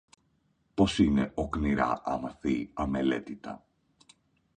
Πως είναι «οκνηρά, αμαθή, αμελέτητα»